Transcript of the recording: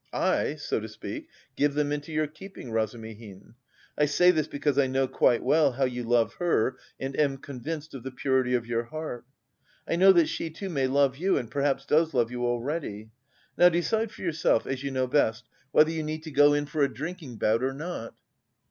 I, so to speak, give them into your keeping, Razumihin. I say this because I know quite well how you love her, and am convinced of the purity of your heart. I know that she too may love you and perhaps does love you already. Now decide for yourself, as you know best, whether you need go in for a drinking bout or not."